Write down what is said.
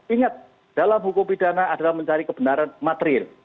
ingat dalam hukum pidana adalah mencari kebenaran material